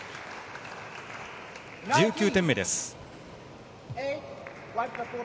１９点目です。